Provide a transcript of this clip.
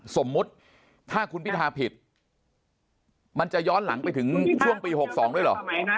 สมมุติถ้าคุณพิธาผิดมันจะย้อนหลังไปถึงช่วงปี๖๒ด้วยเหรอ